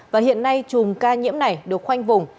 và hiện nay chùm ca nhiễm này được khoanh vùng